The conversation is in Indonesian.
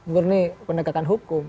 berni penegakan hukum